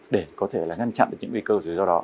để có thể ngăn chặn những nguy cơ rủi ro đó